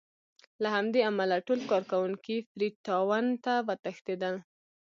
له همدې امله ټول کارکوونکي فري ټاون ته وتښتېدل.